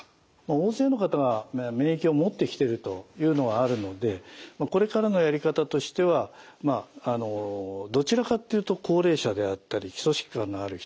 大勢の方が免疫を持ってきてるというのはあるのでこれからのやり方としてはまああのどちらかっていうと高齢者であったり基礎疾患のある人